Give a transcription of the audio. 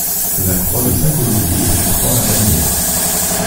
La croix de Saint-Colombier est une croix à bannière.